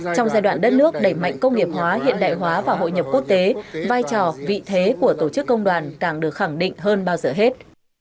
trong giai đoạn đất nước đẩy mạnh công nghiệp hóa hiện đại hóa và hội nhập quốc tế vai trò vị thế của tổ chức công đoàn càng được khẳng định hơn bao giờ hết